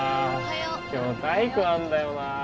今日体育あんだよな